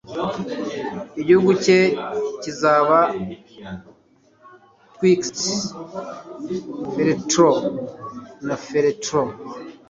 Igihugu cye kizaba Twixt Feltro na Feltro